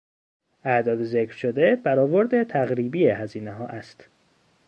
اعداد ذکر شده برآورد تقریبی هزینهها است.